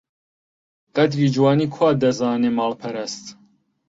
قەدری جوانی کوا دەزانێ ماڵپەرست!